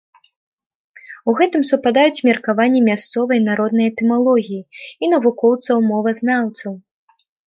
У гэтым супадаюць меркаванні мясцовай народнай этымалогіі і навукоўцаў-мовазнаўцаў.